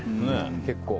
結構。